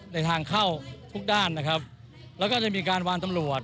ในทางเข้าทุกด้านนะครับแล้วก็จะมีการวางตำรวจ